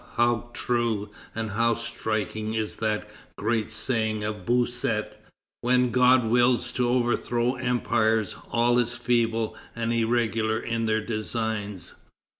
how true and how striking is that great saying of Bossuet: "When God wills to overthrow empires, all is feeble and irregular in their designs."